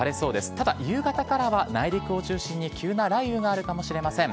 ただ夕方からは内陸を中心に急な雷雨があるかもしれません。